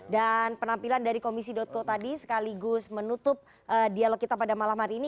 dan penampilan dari komisi dotco tadi sekaligus menutup dialog kita pada malam hari ini